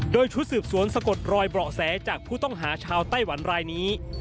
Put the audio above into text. โดยชุดสืบสวนสะกดรอยเบาะแสจากผู้ต้องหาชาวไต้หวันรายนี้